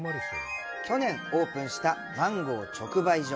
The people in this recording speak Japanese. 去年オープンしたマンゴー直売所。